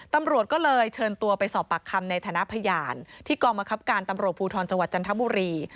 ตำรวจก็เลยเชิญตัวไปสอบปากคำในฐานะพยานที่กองบังคับการตำรวจภูทรจังหวัดจันทบุรี